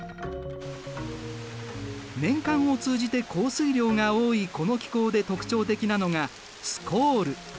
年間を通じて降水量が多いこの気候で特徴的なのがスコール。